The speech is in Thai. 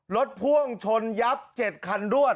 พ่วงชนยับ๗คันรวด